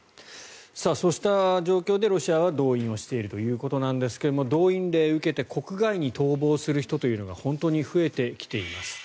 そうした状況で、ロシアは動員をしているということですが動員令を受けて国外に逃亡する人というのが本当に増えてきています。